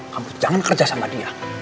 kamu jangan kerja sama dia